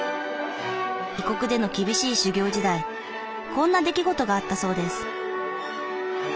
異国での厳しい修業時代こんな出来事があったそうです。